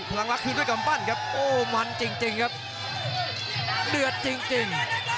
ลังรักคืนด้วยกำปั้นครับโอ้มันจริงจริงครับเดือดจริงจริง